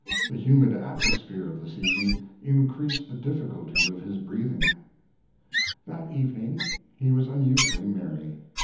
The humid atmosphere of the season increased the difficulty of his breathing. That evening he was unusually merry.